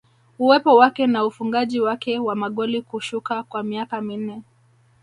Uwepo wake na ufungaji wake wa magoli kushuka kwa miaka minne